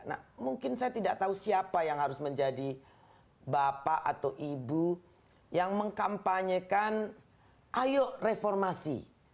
nah mungkin saya tidak tahu siapa yang harus menjadi bapak atau ibu yang mengkampanyekan ayo reformasi